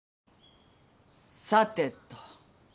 さてと。